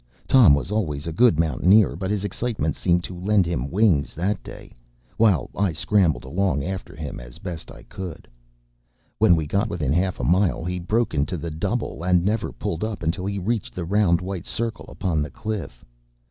Tom was always a good mountaineer, but his excitement seemed to lend him wings that day, while I scrambled along after him as best I could. When we got within half a mile he broke into the “double,” and never pulled up until he reached the round white circle upon the cliff.